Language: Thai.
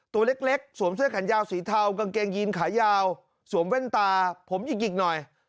ตัวเล็กสวมเสื้อแขนยาวสีเทากางเกงยีนขายาวสวมแว่นตาผมหยิกหน่อย